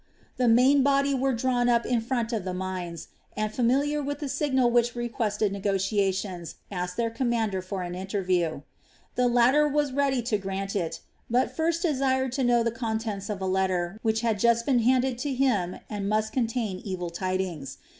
The main body were drawn up in front of the mines and, familiar with the signal which requested negotiations, asked their commander for an interview. The latter was ready to grant it, but first desired to know the contents of a letter which had just been handed to him and must contain evil tidings.